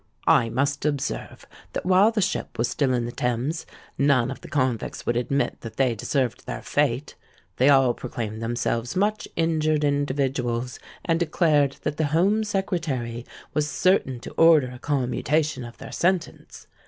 "I must observe, that while the ship was still in the Thames, none of the convicts would admit that they deserved their fate. They all proclaimed themselves much injured individuals, and declared that the Home Secretary was certain to order a commutation of their sentence.